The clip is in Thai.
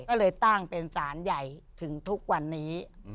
ก็เลยตั้งเป็นสารใหญ่ถึงทุกวันนี้